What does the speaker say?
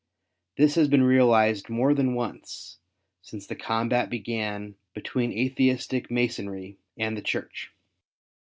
This has been realized more than once since the combat began between Atheistic Masonry and the Church.